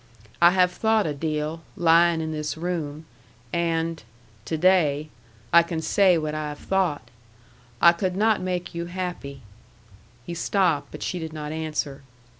I have thought a deal, lyin' in this room. And to day I can say what I have thought. I could not make you happy." He stopped, but she did not answer.